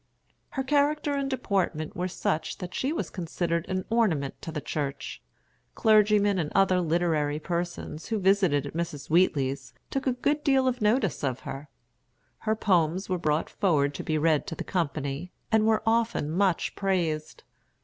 Her character and deportment were such that she was considered an ornament to the church. Clergymen and other literary persons who visited at Mrs. Wheatley's took a good deal of notice of her. Her poems were brought forward to be read to the company, and were often much praised.